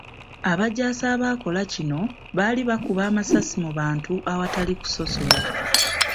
Abajaasi abaakola kino baali bakuba amasasi mu bantu awatali kusosola.